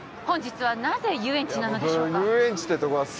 本日はなぜ遊園地なのでしょうか？